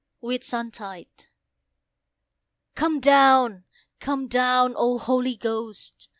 WHITSUNTIDE. Come down! come down! O Holy Ghost!